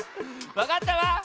わかったわ。